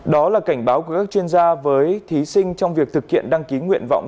đó là cảnh báo của các chuyên gia với thí sinh trong việc thực hiện đăng ký nguyện vọng